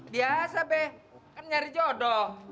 biasa deh kan nyari jodoh